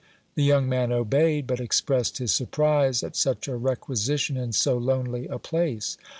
The young man obeyed, but expressed his surprise at such a requisition, in so lonely a place.